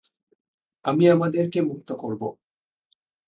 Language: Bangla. আমি আমাদেরকে মুক্ত করব।